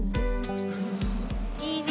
いいね。